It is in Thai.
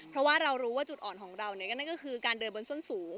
เพราะว่าเรารู้ว่าจุดอ่อนของเราก็นั่นก็คือการเดินบนส้นสูง